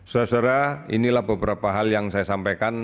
saudara saudara inilah beberapa hal yang saya sampaikan